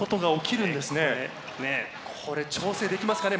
これ調整できますかね？